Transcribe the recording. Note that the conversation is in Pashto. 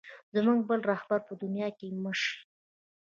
زموږ بل رهبر په دنیا کې مه شې.